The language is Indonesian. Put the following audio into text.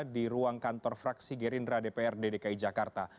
di ruang kantor fraksi gerindra dprd dki jakarta